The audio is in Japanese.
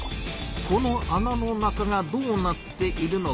このあなの中がどうなっているのか？